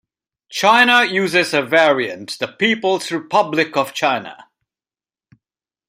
China uses a variant, "The People's Republic of China".